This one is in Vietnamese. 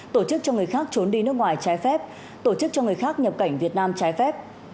tổ chức cho người khác trốn đi nước ngoài trái phép tổ chức cho người khác nhập cảnh việt nam trái phép